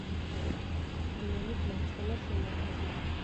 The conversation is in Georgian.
რიონის მარცხენა შენაკადი.